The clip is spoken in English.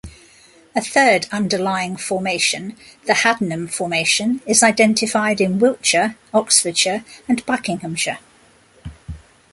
A third underlying formation, the Haddenham Formation, is identified in Wiltshire, Oxfordshire and Buckinghamshire.